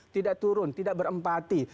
tidak turun tidak berempati